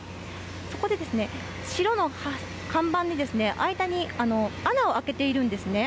そこで白の看板に、間に穴を開けているんですね。